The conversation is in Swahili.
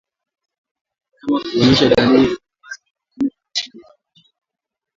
Mnyama kuonyesha dalili za kukatwa na kitu kooni